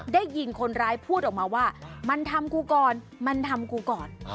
ได้ยินคนร้ายพูดออกมาว่ามันทำกูก่อนมันทำกูก่อน